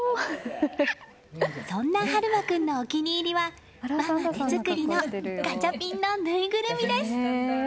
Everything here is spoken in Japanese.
そんな悠将君のお気に入りはママ手作りのガチャピンのぬいぐるみです。